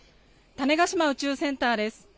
種子島宇宙センターです。